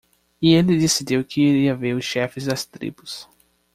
E ele decidiu que iria ver os chefes das tribos.